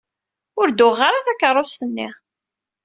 Ur d-uɣeɣ ara takeṛṛust-nni.